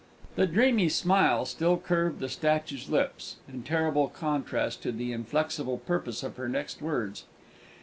The dreamy smile still curved the statue's lips, in terrible contrast to the inflexible purpose of her next words.